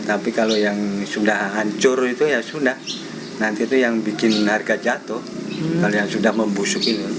tapi kalau yang sudah hancur itu ya sudah nanti itu yang bikin harga jatuh kalau yang sudah membusuk ini